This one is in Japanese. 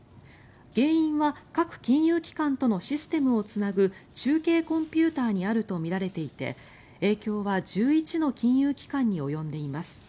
原因は各金融機関とのシステムをつなぐ中継コンピューターにあるとみられていて影響は１１の金融機関に及んでいます。